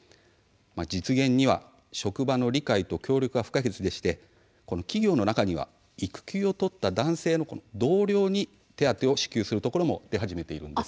実現には職場の理解と協力が不可欠でして企業の中には育休を取った男性の同僚に手当を支給するところも出始めています。